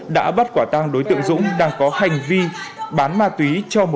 đã bắt quả tăng đối tượng dũng đang có hành vi bán ma túy